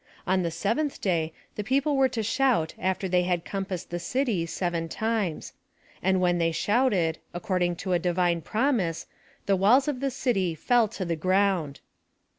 On the seventh day, the people were to shout after they had com passed the city seven times ; and when they shouted, according to a Divine promise, the walls of the city fell to the ground.